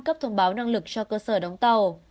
cấp thông báo năng lực cho cơ sở đóng tàu